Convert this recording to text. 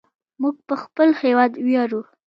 موږ په خپل هیواد ویاړو.